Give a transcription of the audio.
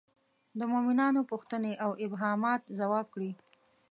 د مومنانو پوښتنې او ابهامات ځواب کړي.